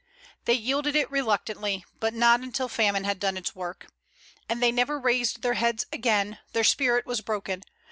They yielded it reluctantly, but not until famine had done its work. And they never raised their heads again; their spirit was broken.